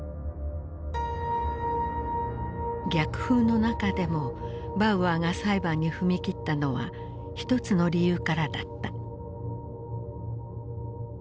逆風の中でもバウアーが裁判に踏み切ったのは一つの理由からだった。